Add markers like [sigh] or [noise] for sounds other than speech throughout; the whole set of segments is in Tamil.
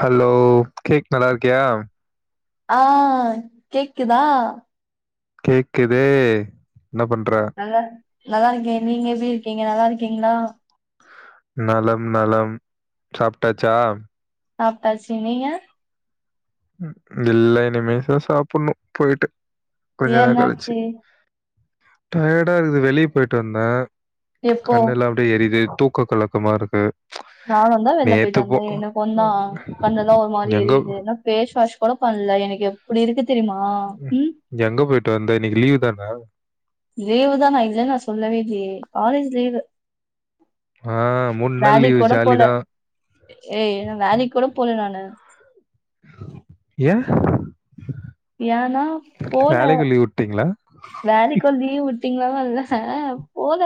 ஹலோ கேக் நல்லா இர்க்கியா ஆ கேக்குதா கேக்குது என்ன பண்ற நல்லாருக்கே நீங்க எப்டி இருக்கிங்க நல்லாருக்கிங்ளா நலம் நலம் சாப்டாச்சா சாப்டாச்சி நீங்க இல்ல இனிமே தா சாப்படனு போய்ட்டு ஏ என்னாச்சு டயடா இருக்குது வெளிய போய்ட்டு வந்த எப்போ கண்ணெல்லா அப்டியே எரிது தூக்க கலக்கமா இருக்கு நானுந்தா வெளில போய்ட்டு நேத்து போ வந்த எனக்குந்தா கண்ணெல்லா ஒரு மாரி எங்க எரியுது என்ன ஃபேஸ் வாஷ் கொழப்பல்ல எனக்கு எப்டி இருக்கு தெரிமா ம் வந்து இன்னைக்கு லீவு தான லீவு தா நா இல்லன்னு நா சொல்லவே ஆ, நாள் வேலைக் லீவு கோட ஜாலி போல தான். ஏய் இன்னு வேலைக் கோட போல நானு ஏ ஏன்னா போல வேலைக்கு லீவ் விட்டீங்களா? வேலைக்கு லீவ் வுட் [unintelligible] போல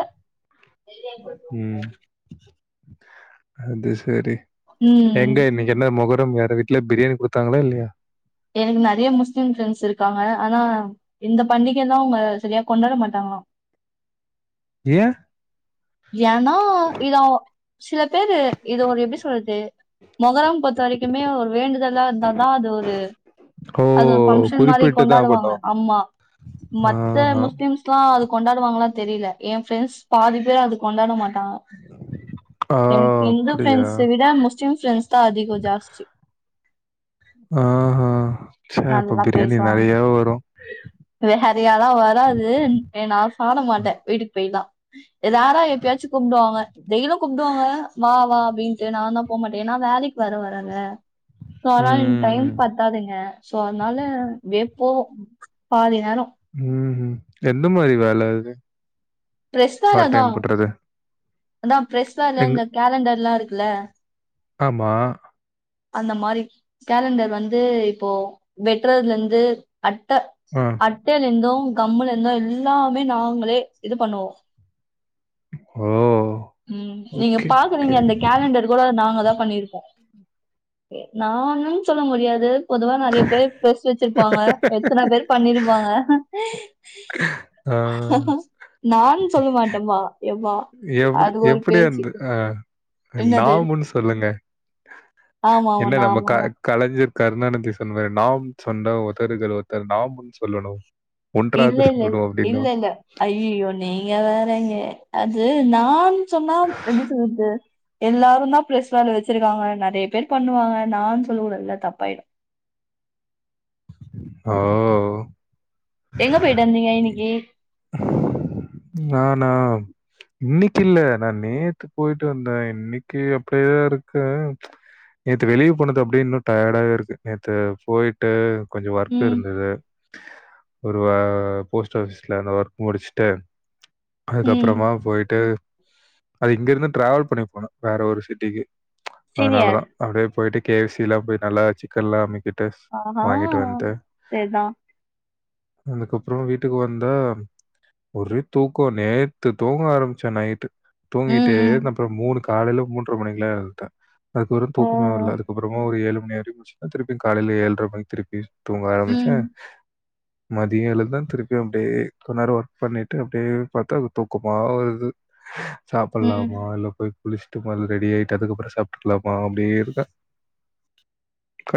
ம் அது சரி ம் எங்க இன்னைக்கென்ன மொகரம் யாரு வீட்லயாது பிரியாணி குடுத்தாங்ளா இல்லையா எனக்கு நறைய முஸ்லீம் ஃப்ரெண்ட்ஸ் இருக்காங்க ஆனா இந்த பண்டிகலா அவுங்க சரியா கொண்டாட மாட்டாங்ளா ஏ ஏனா இதா சில பேரு இது ஒரு எப்டி சொல்து மொகரம் பொறுத்த வரைக்குமே ஒரு வேண்டுதலா அதா அது ஒரு ஓ! அது ஒரு பங்க்ஷன் மாரி குறிப்பிட்டு தான் கொண்டாடுவாங்க பண்ணுவாங்க. ஆமா மத்த ஆஹா. முஸ்லிம்ஸ்லா அது கொண்டாடுவாங்ளா தெரில எ ஃப்ரெண்ட்ஸ் பாதி பேர் அது கொண்டாடமாட் டாங்க ஆ எனக்கு இந்து அப்படியா? ஃப்ரெண்ட்ஸ விட முஸ்லிம் ஃப்ரெண்ட்ஸ்தா அதிக ஜாஸ்தி ஆ ஹ சே அப்ப நல்லா பிரியாணி நெறயா வரு நெறயாலா வராது ஏ நா சாப்ட மாட்ட வீட்டுக்கு போய்லா ரேரா எப்பயாச்சு கூப் டுவாங்க டெய்லு கூப்டுவாங்க வா வா அப்டின்ட்டு நாந்தா போ மாட்டே ஏனா வேலைக்கு வேற வரல்ல சோ அனால ம், எனக் டைம் ம், ம். பத்தாதுங்க சோ அதனால வே போகு பாதி நேர ம் ஹூ எந்த மாரி வேல அது பிரஸ் பார்ட் வேலதா டைம் பண்றது? அதா பிரஸ் வேல எங்க இந்த கேலண்டர்லா இருக் ல ஆமா அந்த மாரி கேலண்டர் வந்து இப்போ வெட்றதுல இந்து அட்ட ஆ. அட்டைல இந்து கம்முல இந்து எல்லாமே நாங்களே இது பண்ணுவோ ஓ ம் நீங்க ஓகே, ஓகே. பாக்குறிங்க அந்த கேலண்டர் கூட நாங்கதா பண்ணிருக்கோ நானுன் சொல்ல முடியாது பொதுவா நறைய பேர் பிரஸ் வச்சிருப்பாங்க எத்தன பேர் பண்ணிருப்பாங்க ஆ. நான் சொல்ல மாட்ட பா எப்பா எப்டி அது ஒரு எப்டி பேச்சு அருந்து ஆ நா என்னது ஒன்னு சொல்லங்க ஆமா என்ன ஆமாண்ணா நம்ம க ஆமாண்ணா கலைஞர் கருணாநிதி சொன்ன மாரி நாம் சொன்ன ஒத்தறுக்கு ஒருத்தரு நாம்னு சொல்லணு இல்லல்ல இல்லல்ல ஐயோ நீங்க வேறங்க அது நான் சொன்னா எப்டி சொல்றது எல்லாருமா பிளேஸ் வாங்கி வச்சிருகாங்க நெறைய பேர் பண்ணுவாங்க நான் சொல்ல கூடதுல்ல தப்பாய்டு ஆ எங்க பொய்ட்டு வந்தீங்க இன்னிக்கி ஞானா இன்னிகி இல்ல நா நேத்து பொய்ட்டு வந்தே இன்னிக்கு அப்டியே இருக்கு நேத்து வெளிய போனது அப்டியே இன்னு டயர்டாவே இருக்கு நேத்து போய்ட்டு கொஞ்ச ஒர்க் ம் இருந்தது ஒரு வா போஸ்ட் ஆபிஸ்ல அந்த ஒர்க் முடிச்சுட்டு ம் அதுகப்றமா பொய்ட்டு அது இங்க இருந்து ட்ராவல் பண்ணி போனு வேற ஒரு சிட்டிக்கு சீனியர் அதனாலதா அப்டியே பொய்ட்டு கே எஃப் சி லா போய் நல்லா சிக்கன்லா அமிகிட் டுஸ் ஆஹா வாங்கிட்டு வந்து சேர்தான் அதுக்கப்றோ வீட்டுக்கு வந்தா ஒரே தூக்கோ நேத்து தூங்க ஆரம்ச்சே நைட்டு ம் தூங்கிட்டே ம் இருந்தே அப்றோ மூணு காலேல மூன்ற மணிகுலா எழுந்துட்டே அதுக்கப்றோ ஓ தூக்கமே வல்ல அதுக்கப்றோமா ஒரு ஏழு அன்நேரோ வரைக்கு முழிச்சிருந்தே திருப்பியு காலேல ஏழ்ற மணிக்கி திருப்பி தூங்க ம் ஆரம்ச்சே மதிய எழுந்தே திருப்பியு அப்டியே கொஞ்ச் நேரோ ஒர்க் பண்ணிட் டு அப்டியே பாத்தா அது தூக்கமா வருது ம் சாப்ட்லாமா இல்ல போயி குளிச் சிட்டு மொதல்ல ரெடி ஆய்ட்டு அதுக்கப்றோ சாப்ட்டுக்லாமா அப்டியே இருந்தே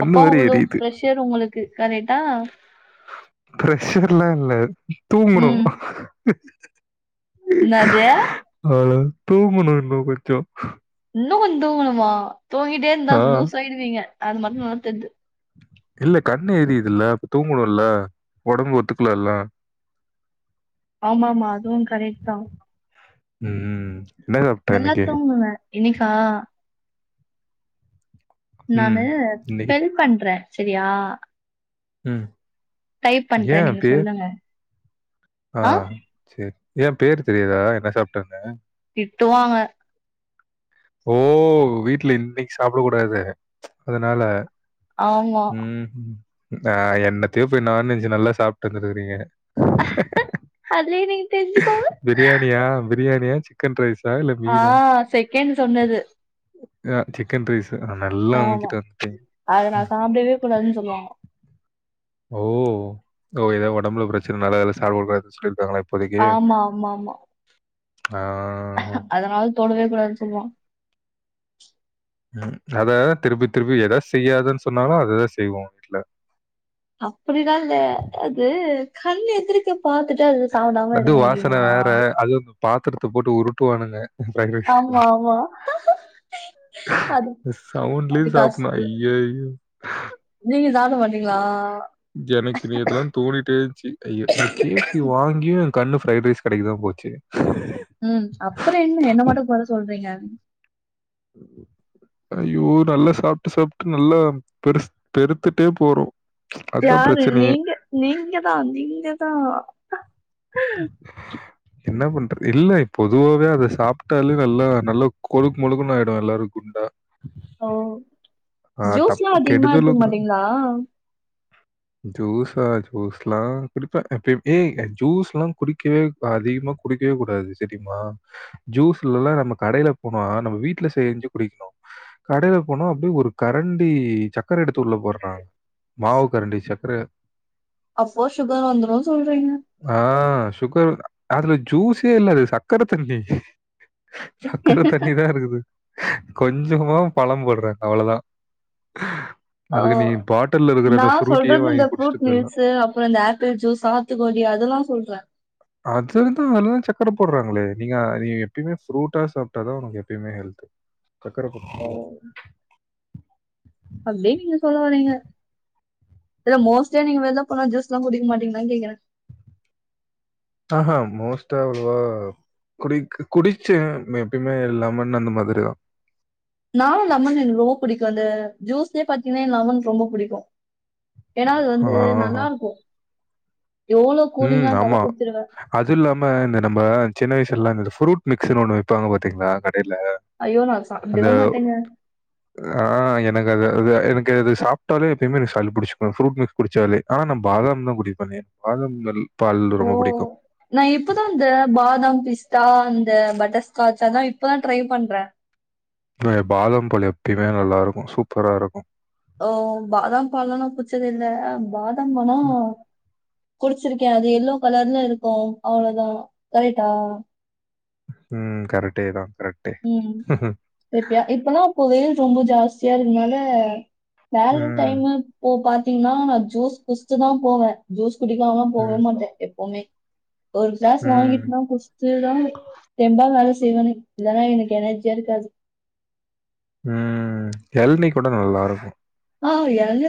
அப்போ அவ்ளோ ப்ரஷரு உங்ளுக்கு கரெட்டா ப்ரஷர்லா இல்ல தூங்கணு ம் என்னது அவ்ளோ தூங்கணு இன்னு கொஞ்சோ இன்னு கொஞ்ச தூங்கணுமா தூங்கிட்டே இருந்தா ஆ லூஸ் ஆய்டுவீங்க அது மட்டு நல்லா தெர்து இல்ல கண்ணு எரியிதுல்ல அப்ப தூங்கணுல்ல ஒடம்பு ஒத்துக்கலல்ல ஆமாமா அதுவு கரெட் தா ம் என்ன சாப்ட்ட நல்லா இன்னைக்கு தூங்குங்க இன்னைக்கா ம் நானு இன்னைக்கு சென் பண்றே செரியா ம் டைப் ஏ பண்றே நீங்க பேர் சொல்லுங்க ஆ செரி ஏ பேர் தெரியாதா என்ன சாப்ட்டனு ட்டுவாங்க ஓ வீட்ல இன்னக்கு சாப்ட கூடாது அதுனால ஆமா ம் ஹூ ஆ என்னத்தயோ போய் நான் வெஜ் நல்லா சாப்டு வந்துருக்றீங்க அதுலயே நீங்க தெரிஞ்சுக்கோங்க பிரியாணியா பிரியாணியா சிக்கன் ரைஸ் ஆ செகண்ட் சொன்னது அ சிக்கன் ரைஸு நல்லா ஆமா அமுக்கிட்டு வந்துட்டிங் அத நா சாப்டவே கூடாதுன்னு சொல்லுவாங்க ஓ ஓ எதோ ஒடம்புல ப்ரச்சனனால அதுலா சாப்பட கூடாதுனு சொல்லிருகாங்ளா இப் ஆமாம்மாம்மா ஆ அதனால தொடவே கூடாதுன் சொல்வா ம் அதத திருப்பி திருப்பி எத செய்யாதன் சொன்னாலு அததா செய்வோ வீட்ல அப்படிலா இல்ல அது கண் எதிரிக்க வந்து வாசன வேற அது அந்த பாத்தரத்த போட்டு உருட்டுவானுங்க ஆமா ஆமா [unintelligible] அது சவுண்டலயு அது சாப்ண கஷ்ட ஐயையோ நீங்க சாப்ட மாட்டீங்களா எனக்கு நீ இதெல்லா தோணிட்டே இருந்துச்சு ஐயா இந்த கே எஃ சி வாங்கியு கண்ணு ஃபிரைட் ரைஸ் கடைக்குதா போச்சு ம் அப்புற என்ன என்ன மட்டு கொற சொல்றீங்க [inaudible] ஐயோ நல்லா சாப்ட்டு சாப்ட்டு நல்லா பெரு பெருத்துட்டே போறோ யாரு நீங்க நீங்கதா நீங்கதா ம் என்ன பண்ற இல்ல பொதுவாவே அத சாப்ட்டாலே நல்லா நல்லா கொழுக் மொழுக்னு ஆயிடு எல்லாரு குண்டா ஓ ஆ ஜூஸ்ல்லா தப்பு அதிகமா கெடுதலும் எடுத்துக்க கூட. மாட்டீங்களா ஜூஸா ஜூஸ்லா குடிப்ப ஏ ஜூஸ்லா குடிக்வே அதிக குடிக்வே கூடாது சரிமா ஜூஸ்லல்லா நம்ம கடையில போனா நம்ம வீட்ல செஞ்சு குடிக்ணு கடைல போனோ அப்டி ஒரு கரண்டி சக்கர எடுத்து உள்ள போட்றாங்க மாவு கரண்டி சக்கர அப்போ சுகர் வந்துரு சொல்றீங்க ஆ சுகர் அதுல ஜூஸே இல்ல சக்கர தண்ணி சக்கர தண்ணி தா இருக்குது கொஞ்சமா பழம் போடுறா அவ்ளதா ஓ அதுக்கு நீ பாட்டல் நா சொல்றது இந்த ஃப்ரூட் மில்ஸு அப்ரோ இந்த ஆப்பிள் ஜூஸ் சாத்துக்கொடி அதெல்லா சொல்றே அதுலதா அதுதா சக்கர போடுறாங்களே நீங்க நீ எப்பயுமே ஃப்ரூட்டா சாப்டாதா உனக்கு எப்பயுமே ஹெல்த் [inaudible] சக்கர பக் ஓ இல அப்டியே நீங்க சொல்ல வரீங்க இல்ல மோஸ்ட்டா நீங்க வெள்ள போனா ஜூஸ்லா குடிக்க மாட்டீங்ளான்னு கேக்றே ஆஹா மோஸ்டா அவ்ளவா குடி குடிச்சு எப்பயுமே லெமன் அந்த மாதிரிதா நானு லெமன் எனக்கு ரொம்ப புடிக்கு அந்த ஜூஸ்யே பாத்தீங்கன்னா லெமன் ரொம்ப புடிக்கு ஏன்னா அது வந்து ஆஹா. நல்லா இருக்கு ம் ஆமா அதுல்லாம இந்த நம்ப சின்ன வயசுல்லா இந்த ஃப்ரூட் மிக்ஸ்ன்னு ஒன்னு வெப்பாங்க பாத்திங்ளா கட் டைல ஐயோ நான் அந்த சாப்பிடவே மாட்டேங்க ஆ எனக்கு அந்த ல எனக்கு அது சாப்டாலே எப்பயுமே எனக்கு சளி புடிச்சுக்கு ஃப்ரூட் மிக்ஸ் குடுச்சாலே ஆனா நா பாதாம் தா குடிப்பனே ஓ நா இப்பதா இந்த பாதாம் பிஸ்தா இந்த பட்டர் ஸ்காட்ச் அதா இப்பதா ட்ரை பண்ற பாதம்பால் எப்பயுமே நல்லா இருக்கு சூப்பரா இருக்கு ஓ பாதாம் பால்லா நா குச்சதேல்ல இல்ல பாதாம் பாலு குடிச்சிருக்கே அது எல்லோ கலர்ல இருக்கு அவ்ளோதா கரெட்டா ம் கரெட்டே தா ம் எப்பயா இப்பல்லா அப்ப வெயில் ரொம்ப ஜாஸ்தியா இருக்கனால ம். வேலடைமு பாத்தீங்னா நா ஜூஸ் குடுஸ்டு தா போவ ஜூஸ் குடிக்காம போவே மாட்டே எப்பவுமே ஒரு கிளாஸ் ம். வாங்கிட்டுனா குடுச்சுடுதா தெம்பா வேல செய்வனே இல்லா எனக்கு எனர்ஜியா இருக்காது ம் எள்னி கூட நல்லாருக்கு ஆ எள்னி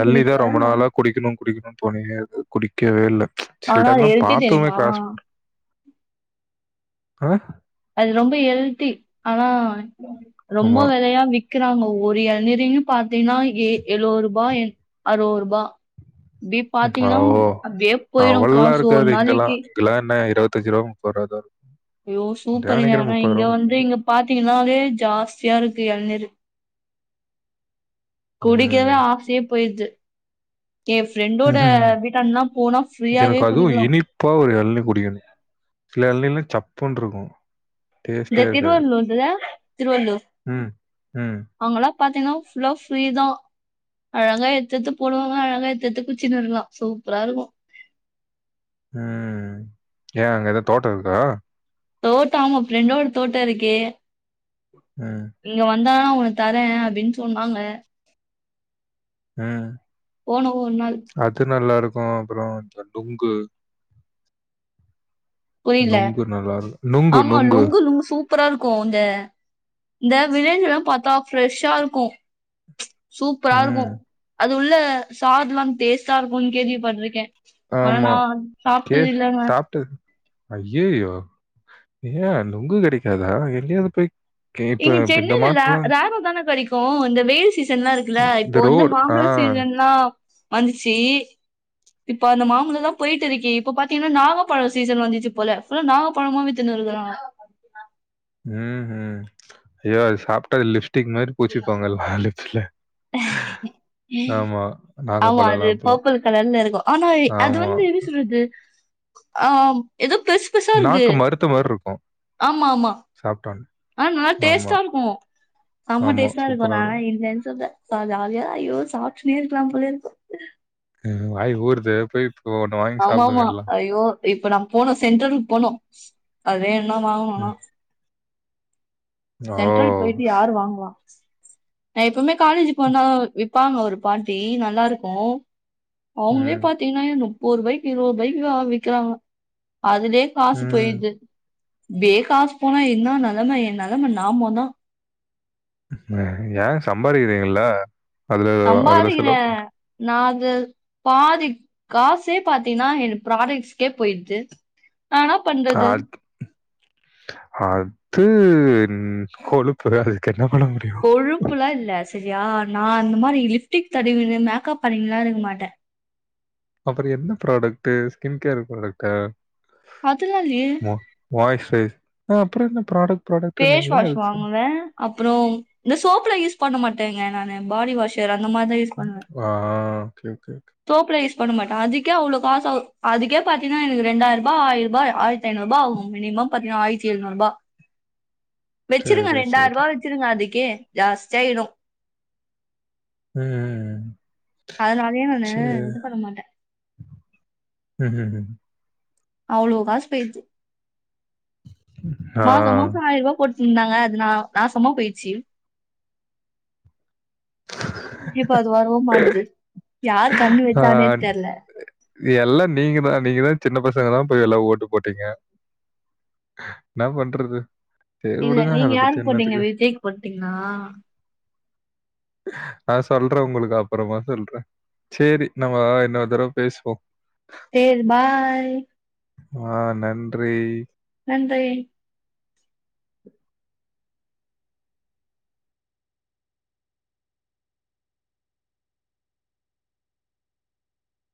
எள்னிதா ரொம்ப நாளா குடிக்கணு குடிக்கணுனு தோணினே இருக்கு குடிக்கவே இல்ல ச் சில ஆனா அது டைம்லாம் ஹெல்த்தி பார்த்தவுமே தெரியுமா கிராஸ் அ அது ரொம்ப ஹெல்தி ஆனா ரொம்ப ஆமா. வெலையா விக் கிறாங்க ஒரு எளநிரின்னு பாத்தீங்ன்னா ஏ எழுவ ரூபா அறுவ ரூபா ஓ அவளல்லா காசு ஒரு இருக்காது இங்கெல்லா நாளைக்கு இங்கெல்லா என்ன இருவத்தஞ்சு ரூபா முப்பது ரூவா தா இரு ஐயோ சூப்பருங்க ஆனா இங்க வந்து இங்க பாத்தீங்கன்னாலே ஜாஸ்தியா இருக்கு எளநீர் குடிக்கவே ஆசயே போயிடுது என் ஃப்ரெண்டோட உம் ஹும் வீட்டாண்டலா போனா ஃப்ரீயாவே எனக்கு அதுவு குடிக்கலாம். இனிப்பா ஒரு எழனி குடிக்கணு சில எளநீ எல்லா சப்புன்னுருக்கு இந்த திருவள்ளூர்ல திருவள்ளுர் ம். ம். அங்கல்லா பாத்தீங்கன்னா ஃபுல்லா ஃப்ரீதா அழகா எத்எத்து போடுவாங்க அழகா எத்எத்து குச்சிக்கிர்லா சூப்பரா இருக்கு அஹ் ஏ அங்க எதா தோட்டோ இருக்குதா தோட்டோ ஆமா ஃப்ரெண்டோட தோட்டோ இருக்கே அஹ் வந்தாத உனக்கு தரே அப்டின்னு சொன்னாங்க அஹ் போனோம் ஒரு நாள். அது நல்லா இருக்கு அப்றோ இந்த டொங்கு புரில நுங்கு நல்லாருக்கும். நுங்கு, ஆமா நுங்கு. லுங்கு லுங் சூப் ப்பரா இருக்கு இந்த இந்த வில்லேஜ்லா பாத்தா ஃப்ரெஷ்ஷா இருக்கு சூப்பரா இருக்கு ம். அது உள்ள சாதுலா டேஸ்ட்டா இருக்கும்னு கேள்வி பட்டுருக்கே ஆனா ஆமா. நா சாப்ட்டது இல்லங்க ஐய்யயோ ஏ நொங்கு கெடைக்காதா எங்கயாவது போய் கே இப்ப இங்க இந்த சென்னைலலா மாசம்லாம் ராவா தான கெடைக் இப்போ இந்த வெயில் சீசன்லா இருக்குல்ல இந்த இப்போ வந்து ரோடு ஆ. மாம்பழ சீசன்லா வந்துச்சி இப்ப அந்த மாம்பழோ தா போயிட்டு இருக்கீ இப்ப பாத்தீங்கன்னா நாவப்பழ சீசன் வந்திச்சு போல ஃபுல்லா நாவப்பழமா வி்த்துனு [unintelligible] உஹும் அய்யோ அத சாப்ட்டா லிப்ஸ்டிக் மாரி பூசிப்பாங்கல லிப்ஸ்ல ஆமா. ஆமா அது நாகப்பழம்லாம் அப்பலாம். பர்பிள் கலர்ல இருக்கு ஆனா அது ஆமா. வந்து எப்டி சொல்றது ஆஹ் எதோ பெருசு பெருசா இருக்கு நாக்கு மருத்த மாரி இருக்கும். ஆமா ஆமா சாப்ட்டோனே. ஆ நல்ல ஆமா, டேஸ்ட்டா இருக்கு சம்ம ஆமா. டேஸ்ட்டா இருக்கு சூப்பரா நானால இல்லனு [unintelligible] ஜாலியா ஐய்யோ சாப்ட்டுன்னே இருக்கலா போல இருக்கு அ வாய் ஊருது போய் ஒண்ணு வாங்கி ஆமா சாப்பிடுங்க ஆமா எல்லாம். ஐயோ இப்ப நா போனு சென்டருலுக்கு போனு அது எதனா வாங்கனும்னா ம். ஓ! சென்ட்ரல் போயிட்டு யாரு வாங்குவா நா எப்பமே காலேஜ் வந்தா விப்பாங்க ஒரு பாட்டி நல்லா இருக்கு அவுங்களே ம். பாத்தீங்கன்னா ஏ முப்பது ருபாய்க்கு இருபது ருபாய்க்கு விக்கறாங்க அதுலே காசு ம். போயுருது இப்டே காசு போனா என்ன நெலம எ நெலம நாமோ தா ஏங்க சம்பாதிக்கிறிங்கல்ல சம்பாரிக்கிர நா பாதி காசே பாத்தீங்கன்னா என் ப்ராடக்ட்ஸ்கே போயிடுது நா என்ன பண்றது அத் அது உம் கொழுப்பு தா அதுக் கொழுப்புலா இல்ல செரியா நா இந்த மாரி லிப்ஸ்டிக் தடவினு மேக்கப் பண்ணிகினுலா இருக்க மாட்ட அப்றோ எப்டி ப்ராடக்ட்டு ஸ்கின் கேர் ப்ராடக்ட்டா அதெல்லா இல்லயே வாயிஸு அப்றோ என்ன ப்ராடக் ஃபேஸ் வாஷ் வாங்குவ அப்றோ இந்த சோப்லா யூஸ் பண்ண மாட்டேங்க நானு பாடி வாஷர் அந்த மாரி தா யூஸ் பண்ணுவ ஆ ஓகே, ஓகே, ஓகே. சோப்ல யூஸ் பண்ண மாட்ட அதுக்கே அவ்ளோ காசு ஆவு அதுக்கே பாத்தீங்கனா எனக்கு ரெண்டாயிர ருபா ஆயிருபா ஆயிரத்தி ஐநூறு ருபா ஆகு மினிமம் பாத்திங்கன்னா ஆயரத்தி எழுநூறு ருபா வச்சிருவ சரி, ரெண்டாயிர சரி. ருபா வச்சிருவ அதுக்கே ஜாஸ்தியாயிடு உம் உம் உம் அதனாலே நானு இது பண்ண மாட்ட உஹம் உஹம் அவ்ளோ காஸ் போயிது ஆ. மாசொ மாசொ ஆயிர ருபா போட் ந்தாங்க அதுநா நாசமா போயிச்சு இப்ப அது வரவொ மாட்து யாரு கண்ணு வச்சானே ஆ. தெர்ல எல்லா நீங்கதா நீங்கதா சின்ன பசங்கதா போய் எல்லா ஓட்டு போட்டீங்க ன்னா பண்றது சரி இல்ல விடுங்க. நீங்க அத யாரு பத்தி போட்டீங்க என்னத்துக்கு? விஜய்கு போட்டீங்களா நா சொல்றே உங்ளுக்கு அப்றொமா சொல்றே சேரி நம்ம இன்னொரு தடவ பேசுவோ சேர் பாய் ஆ நன்றி நன்றி